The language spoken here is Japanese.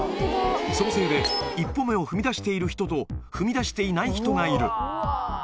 そのせいで、１歩目を踏みだしている人と、踏み出していない人がいる。